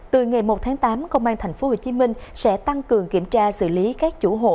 từ ngày một tháng tám công an tp hcm sẽ tăng cường kiểm tra xử lý các chủ hộ